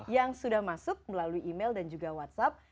yang sudah masuk melalui email dan juga whatsapp